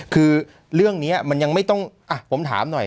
คือเรื่องนี้มันยังไม่ต้องผมถามหน่อย